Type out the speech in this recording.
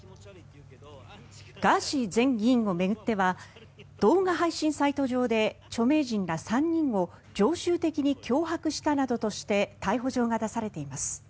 ガーシー前議員を巡っては動画配信サイト上で著名人ら３人を常習的に脅迫したなどとして逮捕状が出されています。